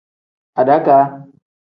Adakaa.